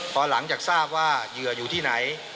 พอหลังจากทราบว่าเหยื่ออยู่ที่ไหน